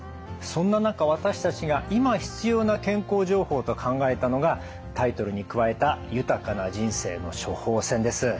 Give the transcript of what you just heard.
そんな中私たちが今必要な健康情報と考えたのがタイトルに加えた「豊かな人生の処方せん」です。